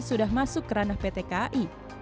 sudah masuk kerana pt kai